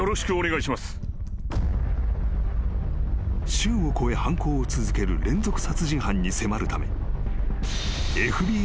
［州を越え犯行を続ける連続殺人犯に迫るため］